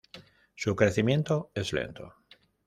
Su crecimiento es lento.